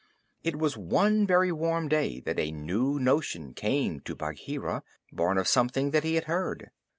It was one very warm day that a new notion came to Bagheera born of something that he had heard.